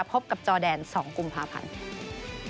พบกับจอแดน๒กุมภาพันธ์ค่ะ